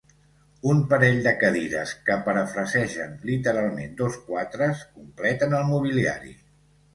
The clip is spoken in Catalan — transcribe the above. Un parell de cadires que parafrasegen literalment dos quatres completen el mobiliari.